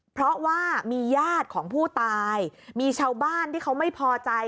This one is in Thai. เพราะว่ามีญาติของผู้ตายมีชาวบ้านที่เขาไม่พอใจ